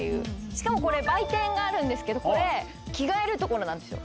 しかも売店があるんですけど着替える所なんですよ。